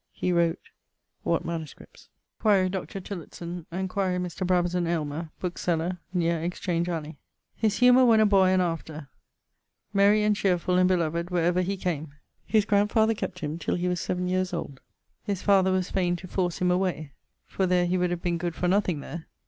He wrote.... What MSS.? quaere Dr. Tillotson, and quaere Mr. Brabazon Aylmer, bookseller, nere Exchange Alley. His humour when a boy and after: merry and cheerfull and beloved where ever he came. His grandfather kept him till he was 7 years old: his father was faine to force him away, for there he would have been good for nothing there.